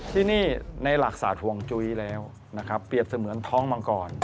ที่นี่ในหลักศาสตร์ห่วงจุ้ยแล้วนะครับเปรียบเสมือนท้องมังกร